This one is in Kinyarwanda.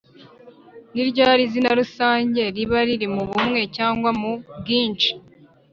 ni ryari izina rusange riba riri mu bumwe cyangwa mu bwinshi?